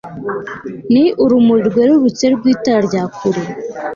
ni urumuri rwerurutse rw'itara rya kure